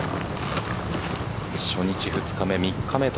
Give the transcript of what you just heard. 初日、２日目、３日目と。